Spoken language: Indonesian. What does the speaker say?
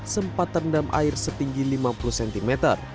sempat terendam air setinggi lima puluh cm